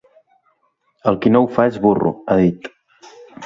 El qui no ho fa és burro, ha dit.